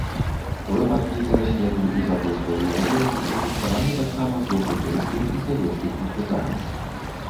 Выпадкі пераследу і забойстваў яўрэяў зафіксаваны таксама з боку польскіх і савецкіх партызанаў.